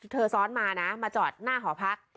ซ้อนมานะมาจอดหน้าหอพัก